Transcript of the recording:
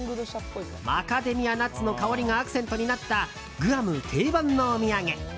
マカダミアナッツの香りがアクセントになったグアム定番のお土産。